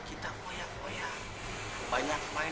itu bukan karena saya